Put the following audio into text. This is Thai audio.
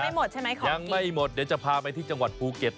ยังไม่หมดใช่ไหมของกินยังไม่หมดเดี๋ยวจะพาไปที่จังหวัดภูเก็ต